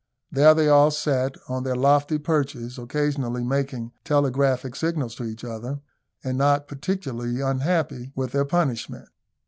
There they all sat on their lofty perches, occasionally making telegraphic signals to each other, and not particularly unhappy with their punishment.